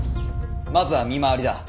まずは見回りだ。